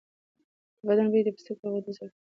د بدن بوی د پوستکي له غدو سره تړلی دی.